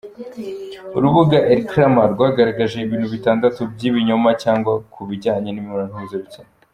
Urubuga elcrema rwagaragaje ibintu bitandatu by’ibinyoma cyangwa ku bijyanye n’imibonano mpuzabitsina.